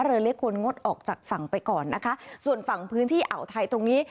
เรือเล็กควรงดออกจากฝั่งไปก่อนนะคะส่วนฝั่งพื้นที่อ่าวไทยตรงนี้